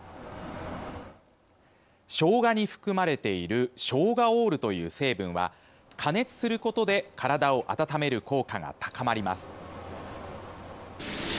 しょうがに含まれているショウガオールという成分は加熱することで体を温める効果が高まります。